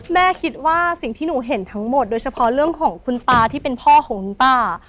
แม่คิดว่าสิ่งที่หนูเห็นทั้งหมดโดยเฉพาะเรื่องของคุณตาที่เป็นพ่อของคุณป้า